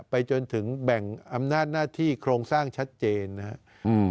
ไปจนถึงแบ่งอำนาจหน้าที่โครงสร้างชัดเจนนะครับ